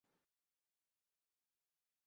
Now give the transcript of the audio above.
সেইদিন ভোরেই আমি সফিককে নিয়ে ঢাকায় চলে এলাম।